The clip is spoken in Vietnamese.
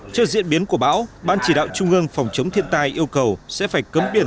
trước diễn biến của bão ban chỉ đạo trung ương phòng chống thiên tai yêu cầu sẽ phải cấm biển